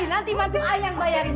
nanti mantu i yang bayarin